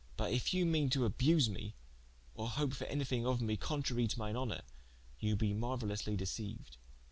But if you meane to abuse me, or hope for anye thing of me, contrarie to mine honour, you be meruailously deceiued.